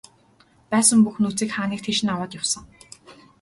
Байсан бүх нөөцийг хаа нэг тийш нь аваад явсан.